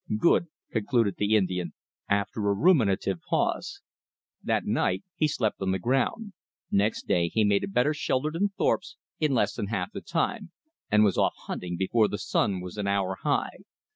"Good," concluded the Indian, after a ruminative pause. That night he slept on the ground. Next day he made a better shelter than Thorpe's in less than half the time; and was off hunting before the sun was an hour high.